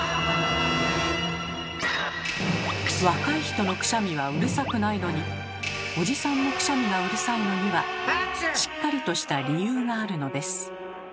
若い人のくしゃみはうるさくないのにおじさんのくしゃみがうるさいのにはしっかりとした理由があるのです。